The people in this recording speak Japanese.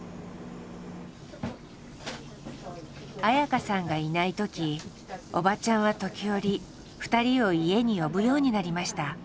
綾香さんがいない時おばちゃんは時折２人を家に呼ぶようになりました。